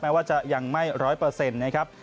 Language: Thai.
ว่าจะยังไม่ร้อยเปอร์เซ็นต์นะครับ